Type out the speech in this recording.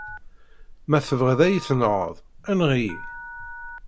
Ma tebɣiḍ ad yi-tenɣeḍ, enɣ-iyi.